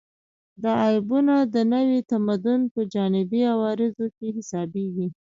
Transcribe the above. دا عیبونه د نوي تمدن په جانبي عوارضو کې حسابېږي